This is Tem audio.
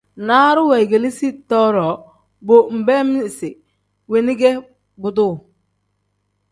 Naaru weegeleezi too-ro bo nbeem isi weeni ge buduu.